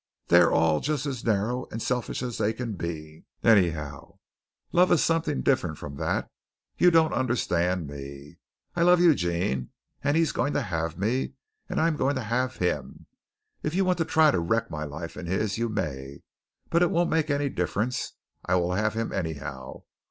They are all just as narrow and selfish as they can be, anyhow. Love is something different from that. You don't understand me. I love Eugene, and he is going to have me, and I am going to have him. If you want to try to wreck my life and his, you may, but it won't make any difference. I will have him, anyhow.